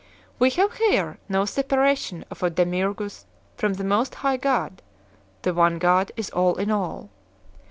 We have here no separation of a Demiurgus from the Most High God; the one God is all in all.